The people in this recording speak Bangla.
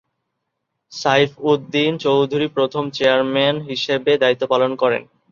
সাইফউদ-দীন চৌধুরীপ্রথম চেয়ারম্যান হিসেবে দায়িত্ব পালন করেন।